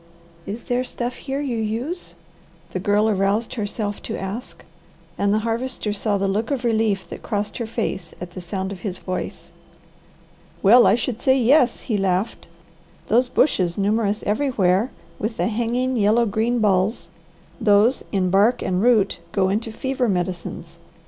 "Is there stuff here you use?" the Girl aroused herself to ask, and the Harvester saw the look of relief that crossed her face at the sound of his voice. "Well I should say yes," he laughed. "Those bushes, numerous everywhere, with the hanging yellow green balls, those, in bark and root, go into fever medicines.